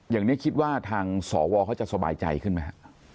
อย่างนี้คิดว่าทางสวเขาจะสบายใจขึ้นไหมฮะ